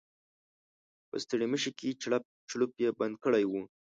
په ستړيمشې کې چړپ چړوپ یې بند کړی و.